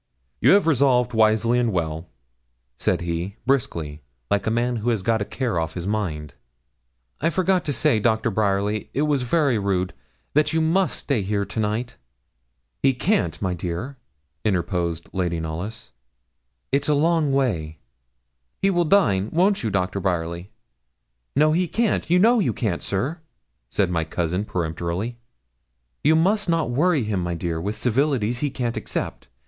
'You have resolved wisely and well,' said he, briskly, like a man who has got a care off his mind. 'I forgot to say, Doctor Bryerly it was very rude that you must stay here to night.' 'He can't, my dear,' interposed Lady Knolly's; 'it is a long way.' 'He will dine. Won't you, Doctor Bryerly?' 'No; he can't. You know you can't, sir,' said my cousin, peremptorily. 'You must not worry him, my dear, with civilities he can't accept.